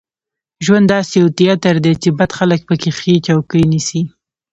ژوند داسې یو تیاتر دی چې بد خلک په کې ښې چوکۍ نیسي.